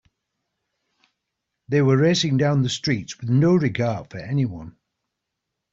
They were racing down the streets with no regard for anyone.